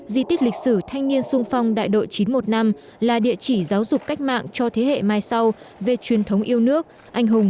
di tích lịch sử thanh niên sung phong đại đội chín trăm một mươi năm là địa chỉ giáo dục cách mạng cho thế hệ mai sau về truyền thống yêu nước anh hùng